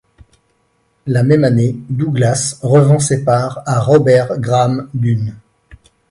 La même année, Douglass revend ses parts à Robert Graham Dun.